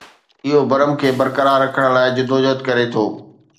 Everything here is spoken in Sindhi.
اهو برم کي برقرار رکڻ لاء جدوجهد ڪري ٿو